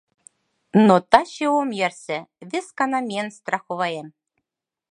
Но таче ом ярсе, вескана миен страховаем...